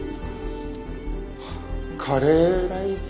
はあカレーライス。